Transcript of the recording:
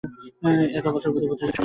এক বছরের মধ্যে প্রতিশ্রুত স্বরাজ আসে নি।